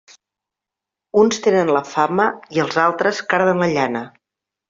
Uns tenen la fama i els altres carden la llana.